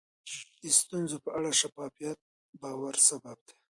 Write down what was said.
د ستونزو په اړه شفافیت د باور سبب دی.